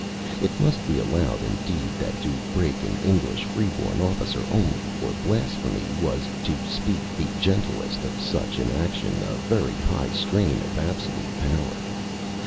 It must be allowed, indeed, that to break an English free born officer only for blasphemy was, to speak the gentlest of such an action, a very high strain of absolute power.